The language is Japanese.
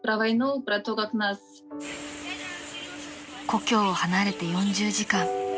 ［故郷を離れて４０時間］